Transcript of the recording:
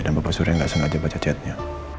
dan bapak surya gak sengaja baca chatnya